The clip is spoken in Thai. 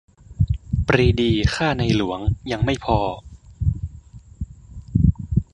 "ปรีดีฆ่าในหลวง !" ยังไม่พอ